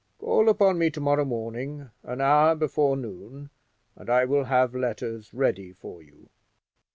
Call upon me to morrow morning, an hour before noon, and I will have letters ready for you."